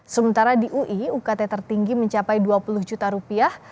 sementara di ui ukt tertinggi mencapai dua puluh juta rupiah